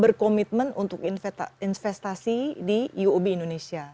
berkomitmen untuk investasi di uob indonesia